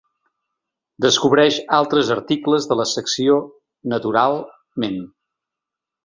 Descobreix altres articles de la secció «Natural-ment».